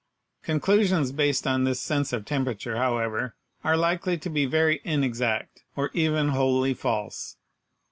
Conclusions based on this sense of temperature, however, are likely to be very inexact, or even wholly false.